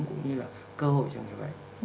cũng như là cơ hội cho người bệnh